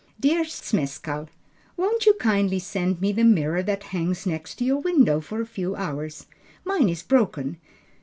DEAR ZMESKALL, Won't you kindly send me the mirror that hangs next to your window for a few hours. Mine is broken.